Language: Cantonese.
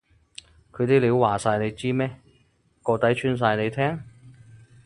佢啲料話晒你知咩？個底穿晒你聽？